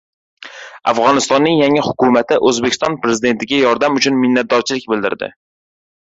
Afg‘onistonning yangi hukumati O‘zbekiston prezidentiga yordam uchun minnatdorlik bildirdi